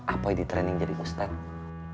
apoy ditraining jadi ustadz